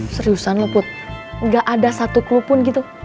seriusan lo put gak ada satu clue pun gitu